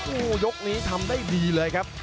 โอ้โหยกนี้ทำได้ดีเลยครับ